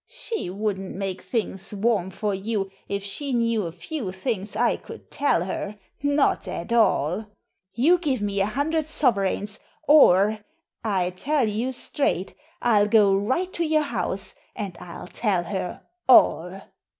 She wouldn't make things warm for j^ou if she knew a few things I could tell her — not at all I You give me a hundred sovereigns or, I tell you straight, I'll go right to your house and I'll tell her all."